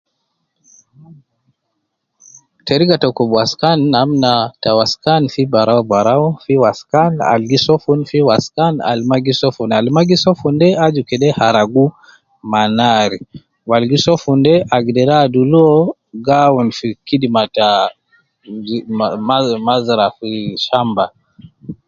Teriga ta kub waskan namna ta kub waskan fi barau barau fi waskan Al gi so fun fi waskan Al maa gi sofun. Al maa gi sofun de aju kede haragu ma naari, Wu al gi sofun de agderi adulu uwo awunu fi zira au fi shamba